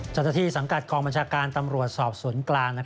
สังกัดกองบัญชาการตำรวจสอบสวนกลาง